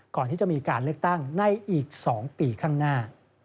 ก่อนที่จะมีการเลือกตั้งในอีก๒ปีข้างหน้า